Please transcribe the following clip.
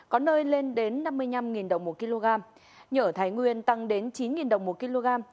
có nơi lên đến năm mươi năm đồng một kg nhỏ thái nguyên tăng đến chín đồng một kg